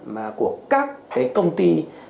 mà của các công ty